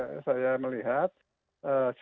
stimulus itu kan menurut saya